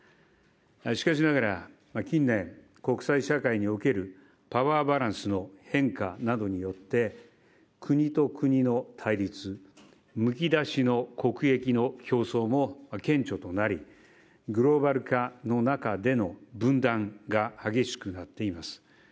しかしながら、近年、国際社会におけるパワーバランスの変化などによって国と国の対立、むき出しの国益の競争も顕著となり、グローバル化の中での分断が激しくなっています。